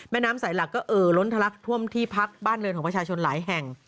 น้ำสายหลักก็เอ่อล้นทะลักท่วมที่พักบ้านเรือนของประชาชนหลายแห่ง